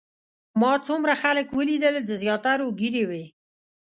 ما څومره خلک ولیدل د زیاترو ږیرې وې.